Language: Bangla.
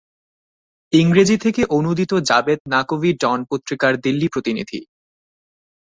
ইংরেজি থেকে অনূদিত জাবেদ নাকভি ডন পত্রিকার দিল্লি প্রতিনিধি